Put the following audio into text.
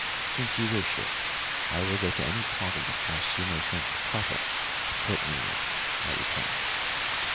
"Since you wish it, I will go to any part of the house you may think proper to put me in," I returned.